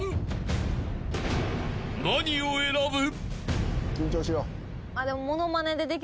［何を選ぶ？］